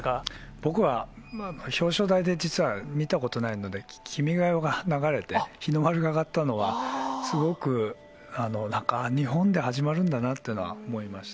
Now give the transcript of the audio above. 僕は表彰台で、実は見たことないので、君が代が流れて、日の丸が揚がったのは、すごくなんか、あぁ、日本で始まるんだなというのは思いました。